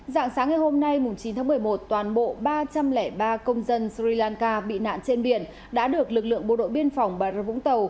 dạng sáng ngày hôm nay chín tháng một mươi một toàn bộ ba trăm linh ba công dân sri lanka bị nạn trên biển đã được lực lượng bộ đội biên phòng bà rơ vũng tàu